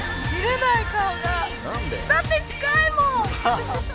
なんで？だって近いもん！